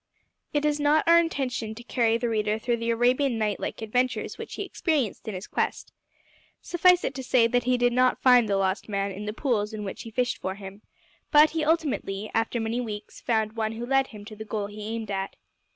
It is not our intention to carry the reader through the Arabian night like adventures which he experienced in his quest. Suffice it to say that he did not find the lost man in the pools in which he fished for him, but he ultimately, after many weeks, found one who led him to the goal he aimed at.